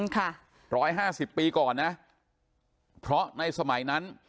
ค่ะร้อยห้าสิบปีก่อนนะเพราะในสมัยนั้น